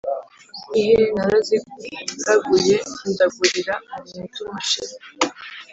iheee! naraziraguye ndagurira umuhutu mashira